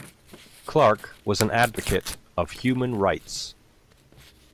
Clarke was an advocate of human rights.